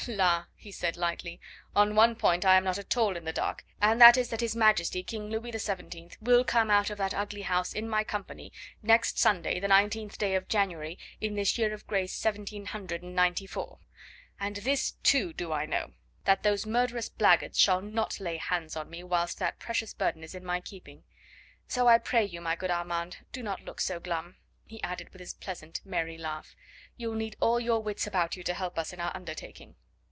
"La!" he said lightly, "on one point I am not at all in the dark, and that is that His Majesty King Louis XVII will come out of that ugly house in my company next Sunday, the nineteenth day of January in this year of grace seventeen hundred and ninety four; and this, too, do I know that those murderous blackguards shall not lay hands on me whilst that precious burden is in my keeping. So I pray you, my good Armand, do not look so glum," he added with his pleasant, merry laugh; "you'll need all your wits about you to help us in our undertaking."